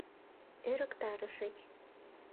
— Ӧрыктарышыч.